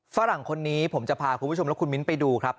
ฝรั่งคนนี้ผมจะพาคุณผู้ชมและคุณมิ้นไปดูครับ